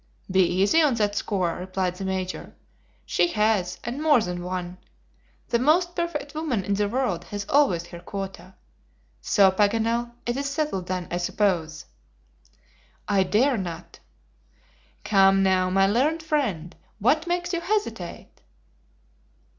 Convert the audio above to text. "Be easy on that score," replied the Major, "she has, and more than one. The most perfect woman in the world has always her quota. So, Paganel, it is settled then, I suppose?" "I dare not." "Come, now, my learned friend, what makes you hesitate?"